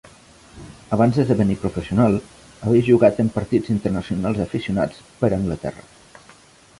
Abans d'esdevenir professional, havia jugat en partits internacionals aficionats per a Anglaterra.